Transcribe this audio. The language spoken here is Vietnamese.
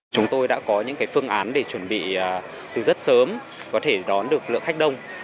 chúng tôi đã có những phương án để chuẩn bị từ rất sớm có thể đón được lượng khách đông